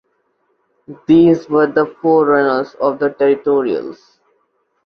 These were the forerunners of the Territorials.